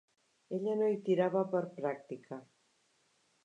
Ella no hi tirava per pràctica